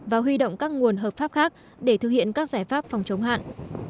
và huy động các nguồn hợp pháp khác để thực hiện các giải pháp phòng chống hạn